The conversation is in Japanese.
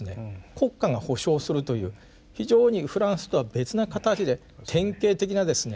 国家が保障するという非常にフランスとは別な形で典型的なですね